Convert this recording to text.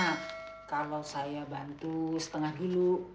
bagaimana kalau saya bantu setengah giluk